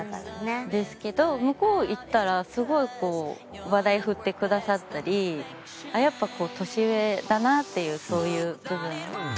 ですけど向こう行ったらすごい話題振ってくださったりやっぱこう年上だなっていうそういう部分。